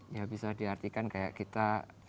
ya bisa diartikan kayak kita